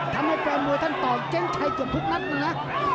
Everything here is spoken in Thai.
ทำให้แฟนมวยท่านต่อเจ้งใจกับทุกนักนะ